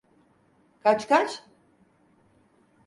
Kaç kaç?